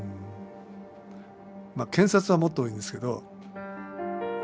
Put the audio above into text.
検察はもっと多いですけど。